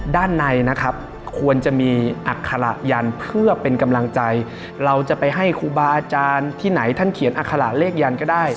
ด้านในนะครับควรจะมีอัคระยันเพื่อเป็นกำลังใจเราจะไปให้ครูบาอาจารย์ที่ไหนท่านเขียนอัคระเลขยันก็ได้